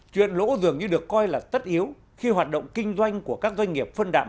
chuyện lỗ dường như được coi là tất yếu khi hoạt động kinh doanh của các doanh nghiệp phân đạm